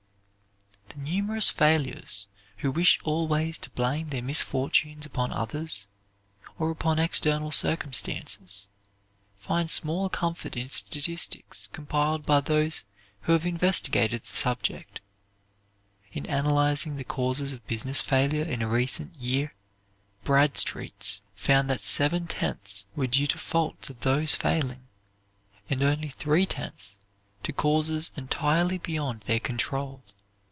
The numerous failures who wish always to blame their misfortunes upon others, or upon external circumstances, find small comfort in statistics compiled by those who have investigated the subject. In analyzing the causes of business failure in a recent year Bradstreet's found that seven tenths were due to faults of those failing, and only three tenths to causes entirely beyond their control.